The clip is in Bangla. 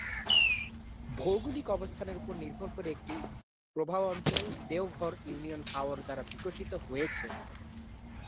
ভৌগোলিক অবস্থানের উপর নির্ভর করে একটি প্রবাহ অঞ্চল দেওঘর ইউনিয়ন হাওর দ্বারা বিকশিত হয়েছে।